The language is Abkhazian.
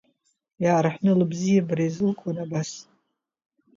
Иаарҳәны лыбзиабара изылкуан абас…